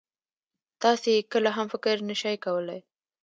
تاسې يې کله هم فکر نه شئ کولای.